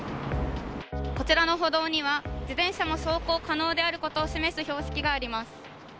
こちらの歩道には、自転車も走行可能であることを示す標識があります。